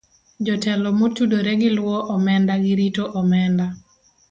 Jotelo motudore gi luwo omenda gi rito omenda